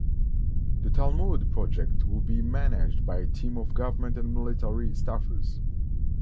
The Talmud project would be managed by a team of government and military staffers.